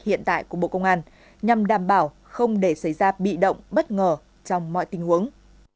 hiện tại của bộ công an nhằm đảm bảo không để xảy ra bị động bất ngờ trong mọi tình huống